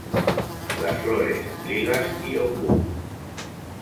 Las Flores, Lilas y Ombú.